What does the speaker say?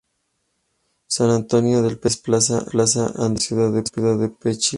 San Antonio de Petrel se emplaza al este de la ciudad de Pichilemu.